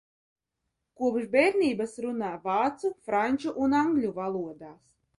Kopš bērnības runā vācu, franču un angļu valodās.